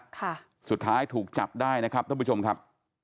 ค่ะสุดท้ายถูกจับได้นะครับท่านผู้ชมครับ